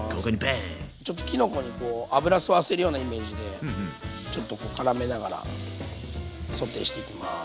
ちょっときのこに油吸わせるようなイメージでちょっとからめながらソテーしていきます。